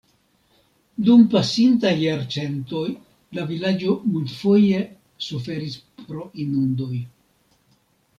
Dum pasintaj jarcentoj la vilaĝo multfoje suferis pro inundoj.